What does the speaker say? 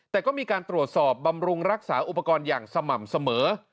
แต่ก็มีการตรวจสอบบำรุงรักษาอุปกรณ์อย่างสม่ำเสมอ